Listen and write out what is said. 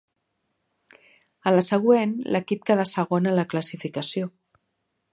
En la següent l'equip queda segon en la classificació.